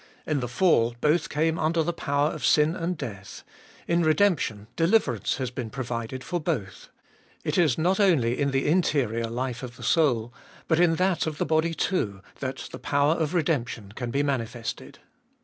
In the fall both came under the power of sin and death ; in redemption deliverance has been provided for both. It is not only in the interior life of the soul, but in that of the body too, that the power of redemption can be manifested.